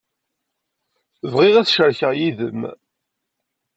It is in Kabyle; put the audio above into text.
Bɣiɣ ad t-cerkeɣ yid-m.